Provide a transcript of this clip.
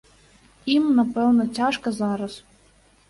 Ім, напэўна, цяжка зараз.